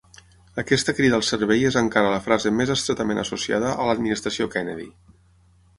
Aquesta crida al servei és encara la frase més estretament associada a l'administració Kennedy.